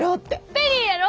ペリーやろ！